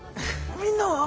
みんなは？